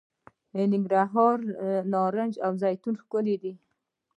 د ننګرهار نارنج او زیتون ښکلي دي.